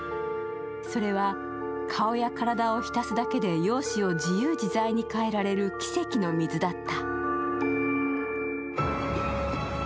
それは顔や体をひたすだけで容姿を自由自在に変えられる奇跡の水だった。